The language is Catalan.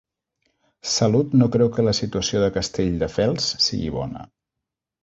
Salut no creu que la situació de Castelldefels sigui bona.